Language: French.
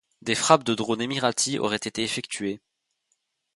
Des frappes de drones émiratis auraient été effectuées.